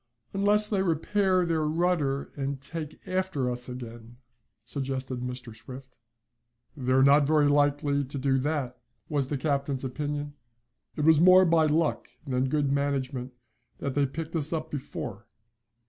"Unless they repair their rudder, and take after us again," suggested Mr. Swift. "They're not very likely to do that," was the captain's opinion. "It was more by luck than good management that they picked us up before.